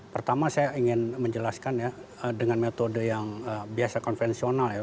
pertama saya ingin menjelaskan ya dengan metode yang biasa konvensional ya